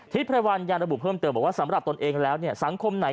ที่พระวัญญาณ๒๒๐๐เพิ่มเติมว่าสำหรับตอนเองแล้วเนี่ยสังคมไหน